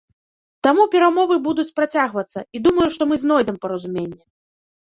Таму перамовы будуць працягвацца, і думаю, што мы знойдзем паразуменне.